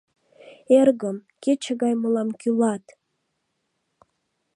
Эргым, кече гай мылам кӱлат!